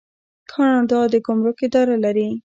کاناډا د ګمرک اداره لري.